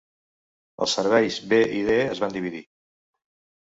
Els serveis B i D es van dividir.